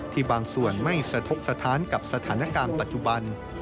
บางส่วนไม่สะทกสถานกับสถานการณ์ปัจจุบัน